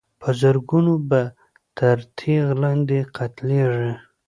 په زرګونو به تر تېغ لاندي قتلیږي